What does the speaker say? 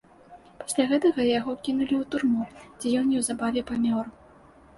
Пасля гэтага яго кінулі ў турму, дзе ён неўзабаве памёр.